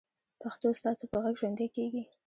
پښتو ستاسو په غږ ژوندۍ کېږي.